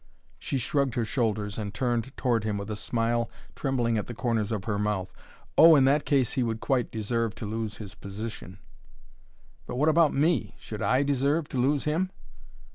She shrugged her shoulders and turned toward him with a smile trembling at the corners of her mouth. "Oh, in that case he would quite deserve to lose his position." "But what about me? Should I deserve to lose him?"